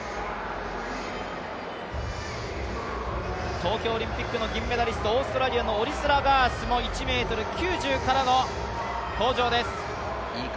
東京オリンピックの銀メダリスト、オーストラリアのオリスラガースも１ｍ９０からの登場です。